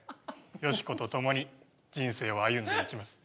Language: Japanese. ヨシコとともに人生を歩んでいきます。